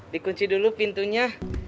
dikunci dulu pintunya